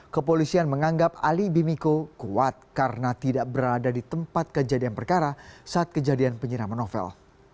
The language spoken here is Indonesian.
kepolisian menganggap alibi miko kuat karena tidak berada di tempat kejadian perkara saat kejadian penyeraman novel